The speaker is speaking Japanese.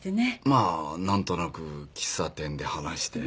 まあ何となく喫茶店で話して。